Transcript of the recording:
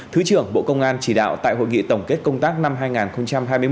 thứ trưởng bộ công an chỉ đạo tại hội nghị tổng kết công tác năm hai nghìn hai mươi một